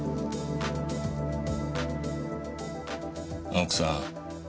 奥さん。